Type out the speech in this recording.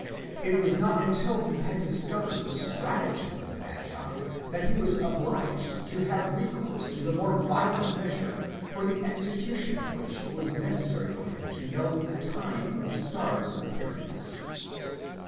It was not until he had dis covered the stratagem of the magi, that he was obliged to have recourse to the more violent measure for the execution of which it was necessary for him to know the time of the star's appearance.